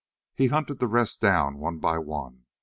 He hunted the rest down one by one.